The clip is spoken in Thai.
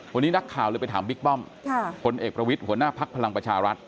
วันนี้นักข่าวเลยไปถามบิ๊กป้อมพลเอกประวิทย์หัวหน้าภักดิ์พลังประชารัฐ